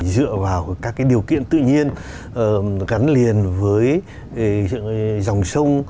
dựa vào các điều kiện tự nhiên gắn liền với dòng sông